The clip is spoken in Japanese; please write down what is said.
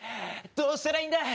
どうしたらいいんだ！